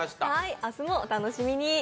明日もお楽しみに。